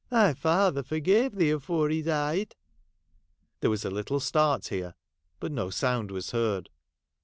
Thy father for gave thee afore he died.' (There was a little start here, but no sound was heard).